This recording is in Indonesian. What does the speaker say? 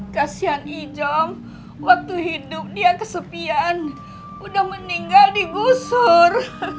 kasian ijom waktu hidup dia kesepian udah meninggal dibusur